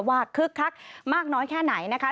คึกคักมากน้อยแค่ไหนนะคะ